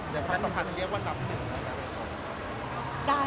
หรือถ้าสำคัญจะเรียกว่านักหนึ่ง